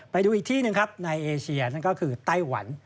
ไปดูอีกที่หนึ่งครับในเอเชียนั่นก็คือไต้หวัน